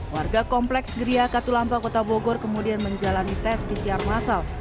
warga kompleks geria katulampa kota bogor kemudian menjalani tes pcr masal